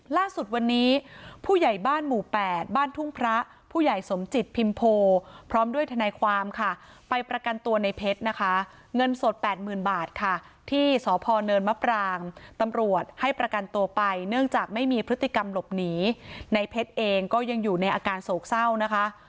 ล่าสุดวันนี้ผู้ใหญ่บ้านหมู่๘บ้านทุ่งพระผู้ใหญ่สมจิตพิมโพพร้อมด้วยทนายความค่ะไปประกันตัวในเพชรนะคะเงินสดแปดหมื่นบาทค่ะที่สพเนินมะปรางตำรวจให้ประกันตัวไปเนื่องจากไม่มีพฤติกรรมหลบหนีในเพชรเองก็ยังอยู่ในอาการโศกเศร้านะคะ